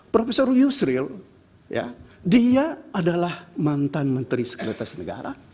profesor yusril dia adalah mantan menteri sekretaris negara